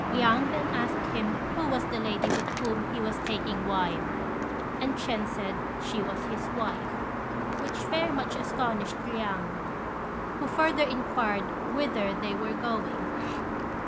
Liang then asked him who was the lady with whom he was taking wine, and Ch'ên said she was his wife, which very much astonished Liang, who further inquired whither they were going.